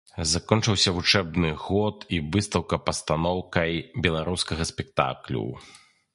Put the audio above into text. Закончыўся вучэбны год і выстаўка пастаноўкай беларускага спектаклю.